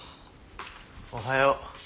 おはよう。